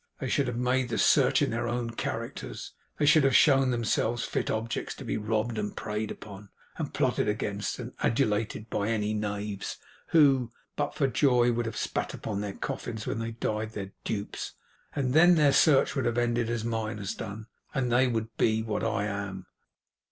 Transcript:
They should have made the search in their own characters. They should have shown themselves fit objects to be robbed and preyed upon and plotted against and adulated by any knaves, who, but for joy, would have spat upon their coffins when they died their dupes; and then their search would have ended as mine has done, and they would be what I am.